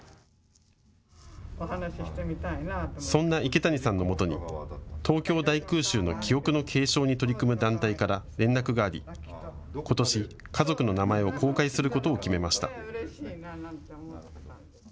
そんな池谷さんのもとに東京大空襲の記憶の継承に取り組む団体から連絡があり、ことし、家族の名前を公開することを決めました。